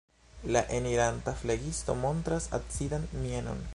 La eniranta flegisto montras acidan mienon.